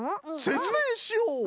せつめいしよう！